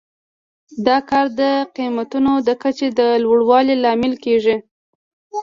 دا کار د قیمتونو د کچې د لوړوالي لامل کیږي.